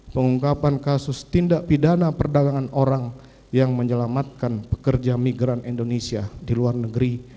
pengungkapan kasus tindak pidana perdagangan orang yang menyelamatkan pekerja migran indonesia di luar negeri